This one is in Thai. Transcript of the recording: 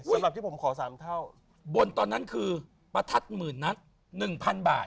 สำหรับที่ผมขอสามเท่าบนตอนนั้นคือประทัดหมื่นนักหนึ่งพันบาท